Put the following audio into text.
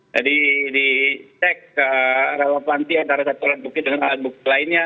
jadi di check ke relavan bukti antara satu alat bukti dengan alat bukti lainnya